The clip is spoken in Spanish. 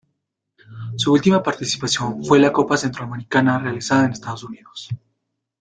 Su última participación fue la copa centro americana realizada en Estados Unidos.